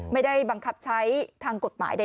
ไม่ได้บังคับใช้ทางกฎหมายใด